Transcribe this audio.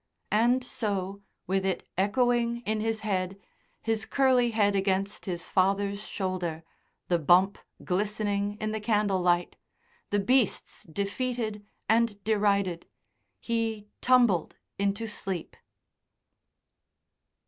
And so, with it echoing in his head, his curly head against his father's shoulder, the bump glistening in the candle light, the beasts defeated and derided, he tumbled into sleep.